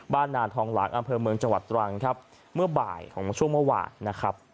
บ้านนานทองหลังอำเภอเมืองจังหวัดตรังเมื่อบ่ายของช่วงเมื่อวาน